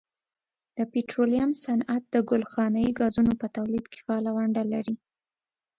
د پټرولیم صنعت د ګلخانهیي ګازونو په تولید کې فعاله ونډه لري.